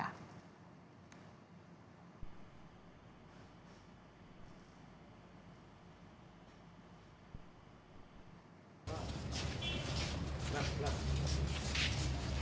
jalan ahmad yani jalan ahmad yani jawa tengah